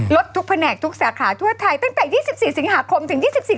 รถทุกแผนกทุกสาขาทั่วไทยตั้งแต่๒๔สิงหาคมถึง๒๔กันเดียวนี้